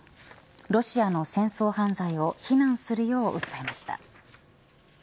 ロシアの戦争犯罪を非難するよう訴えました。